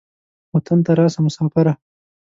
وطن ته راسه مسافره.